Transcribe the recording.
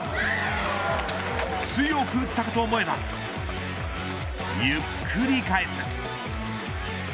強く打ったかと思えばゆっくり返す。